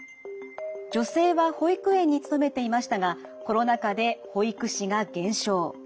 女性は保育園に勤めていましたがコロナ禍で保育士が減少。